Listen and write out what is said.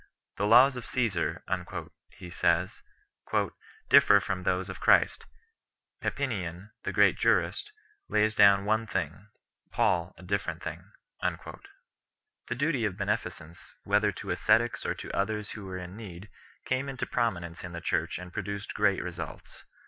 "The laws of Csesar," he says 3 , "differ from those of Christ; Papinian [the great jurist] lays down one thing, Paul a different thing." The duty of beneficence, whether to ascetics or to others who were in need, came into prominence in the Church and produced great results.